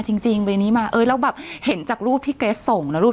จริงจริงใบนี้มาเออแล้วแบบเห็นจากรูปที่ส่งแล้วรูป